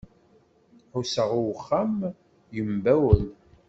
Ḥusseɣ i uxxam yembawel.